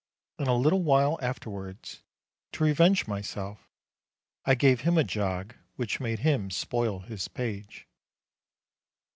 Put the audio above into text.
and a little while afterwards, to revenge myself, I gave him a jog which made him spoil his page.